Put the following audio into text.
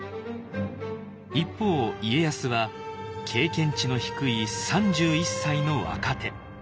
一方家康は経験値の低い３１歳の若手。